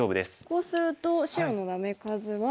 こうすると白のダメ数は。